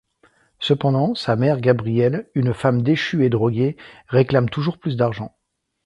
Cependant, sa mère Gabrielle, une femme déchue et droguée, réclame toujours plus d'argent.